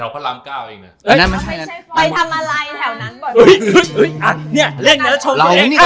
เป็นแจ๊วข้าวล้างเกล้าเอง